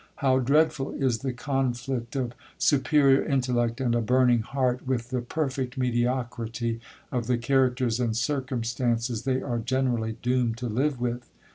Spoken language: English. How dreadful is the conflict of superior intellect and a burning heart, with the perfect mediocrity of the characters and circumstances they are generally doomed to live with!